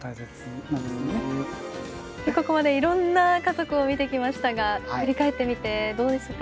ここまでいろんな家族を見てきましたが振り返ってみてどうでしたか？